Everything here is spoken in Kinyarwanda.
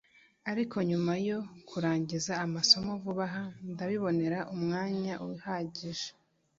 ariko nyuma yo kurangiza amasomo vuba aha ndabibonera umwanya uhagije